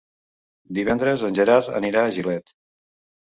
Divendres en Gerard anirà a Gilet.